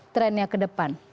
trendnya ke depan